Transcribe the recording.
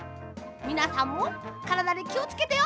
みなさんもからだにきをつけてよ。